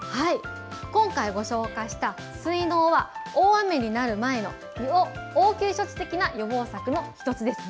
今回、ご紹介した水のうは、大雨になる前の応急処置的な予防策の１つです。